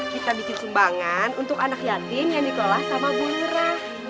kita bikin sumbangan untuk anak yatim yang dikelola sama butera